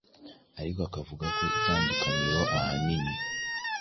ariko akavuga ko itandukaniro ahanini